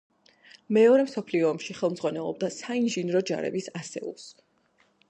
მეორე მსოფლიო ომში ხელმძღვანელობდა საინჟინრო ჯარების ასეულს.